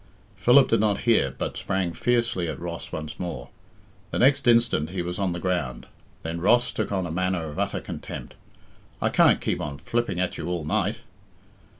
Philip did not hear, but sprang fiercely at Ross once more. The next instant he was on the ground. Then Ross took on a manner of utter contempt. "I can't keep on flipping at you all night."